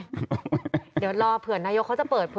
เดี๋ยวรอเผื่อนายกเขาจะเปิดเผย